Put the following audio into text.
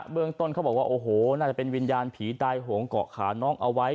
เรื่องต้นเขาบอกว่าโอ้โหน่าจะเป็นวิญญาณผีตายโหงเกาะขาน้องเอาไว้